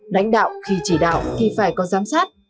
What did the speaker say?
lãnh đạo khi chỉ đạo thì phải có giám sát